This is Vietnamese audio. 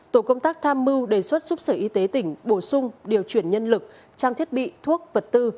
tổ công tác tham mưu đề xuất giúp sở y tế tỉnh bổ sung điều chuyển nhân lực trang thiết bị thuốc vật tư